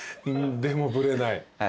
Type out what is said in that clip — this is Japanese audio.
でもブレない。